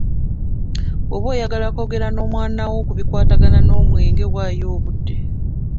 Bw’oba oyagala okwogera n’omwana wo ku bikwatagana n’omwenge waayo obudde.